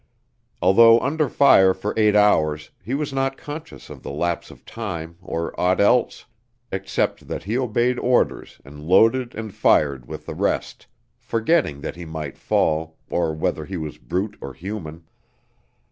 Although under fire for eight hours, he was not conscious of the lapse of time or aught else, except that he obeyed orders and loaded and fired with the rest; forgetting that he might fall, or whether he was brute or human.